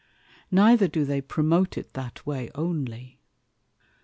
Neither do they promote it that way only.